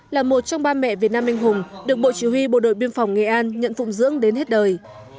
là một trong ba mẹ việt nam anh hùng được bộ chỉ huy bộ đội biên phòng nghệ an nhận phụng dưỡng đến hết đời